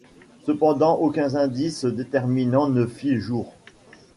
Cependant, aucuns indices déterminants ne fit jour.